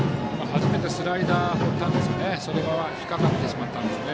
初めてスライダーを放ったんですね。